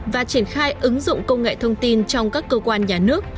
và triển khai ứng dụng công nghệ thông tin trong các cơ quan nhà nước